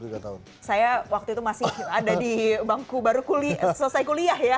saya waktu itu masih ada di bangku baru selesai kuliah ya